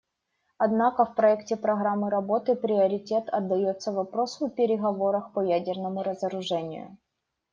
Однако в проекте программы работы приоритет отдается вопросу о переговорах по ядерному разоружению.